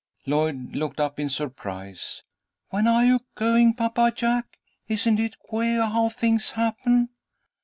Lloyd looked up in surprise. "When are you going, Papa Jack? Isn't it queah how things happen!"